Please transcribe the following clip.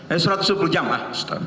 eh satu ratus dua puluh jam lah